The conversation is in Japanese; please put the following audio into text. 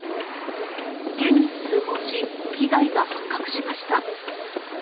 県に通報し、被害が発覚しました。